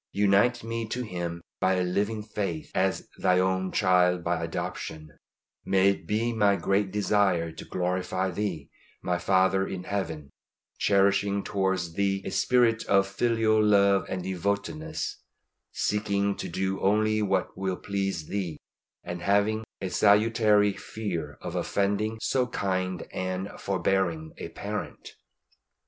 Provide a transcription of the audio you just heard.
Unite me to Him by a living faith, as Thine own child by adoption; may it be my great desire to glorify Thee, my Father in Heaven; cherishing towards Thee a spirit of filial love and devotedness, seeking to do only what will please Thee, and having a salutary fear of offending so kind and forbearing a Parent.